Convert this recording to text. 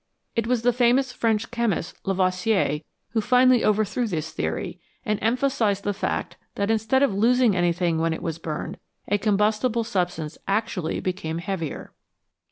It was the famous French chemist Lavoisier who finally overthrew this theory, and emphasised the fact that instead of losing anything when it was burned, a combustible substance actually became heavier.